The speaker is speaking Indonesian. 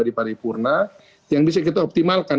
di paripurna yang bisa kita optimalkan